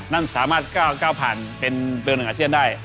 นั่นสามารถก้าวผ่านเป็นเบอร์๑อาเซียนได้